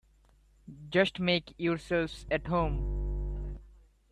Just make yourselves at home.